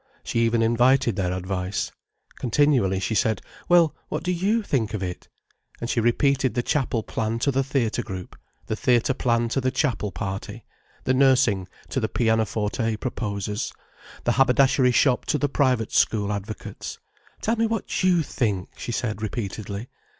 She even invited their advice. Continually she said: "Well, what do you think of it?" And she repeated the chapel plan to the theatre group, the theatre plan to the chapel party, the nursing to the pianoforte proposers, the haberdashery shop to the private school advocates. "Tell me what you think," she said repeatedly.